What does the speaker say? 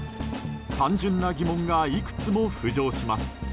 単純な疑問がいくつも浮上します。